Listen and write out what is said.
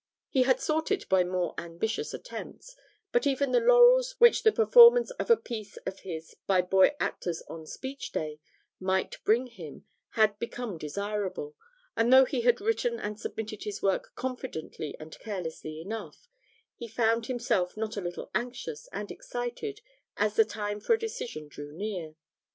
He had sought it by more ambitious attempts, but even the laurels which the performance of a piece of his by boy actors on a Speech day might bring him had become desirable; and though he had written and submitted his work confidently and carelessly enough, he found himself not a little anxious and excited as the time for a decision drew near.